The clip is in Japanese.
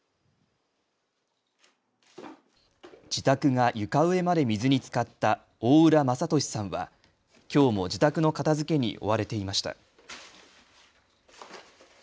自宅が床上まで水につかった大浦正利さんはきょうも自宅の片づけに追われていました。